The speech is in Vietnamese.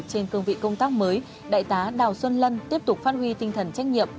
trên cương vị công tác mới đại tá đào xuân lân tiếp tục phát huy tinh thần trách nhiệm